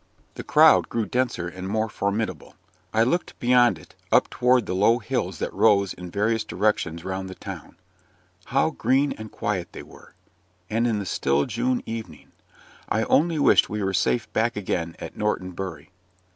The crowd grew denser and more formidable. I looked beyond it, up towards the low hills that rose in various directions round the town; how green and quiet they were, in the still June evening! I only wished we were safe back again at Norton Bury.